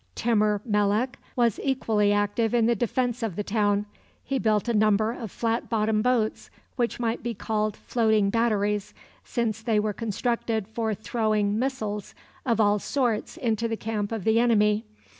Timur Melek was equally active in the defense of the town. He built a number of flat bottomed boats, which might be called floating batteries, since they were constructed for throwing missiles of all sorts into the camp of the enemy.